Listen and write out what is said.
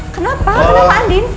kenapa kenapa andin